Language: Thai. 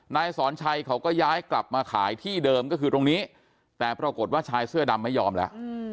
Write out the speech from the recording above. นายสอนชัยเขาก็ย้ายกลับมาขายที่เดิมก็คือตรงนี้แต่ปรากฏว่าชายเสื้อดำไม่ยอมแล้ว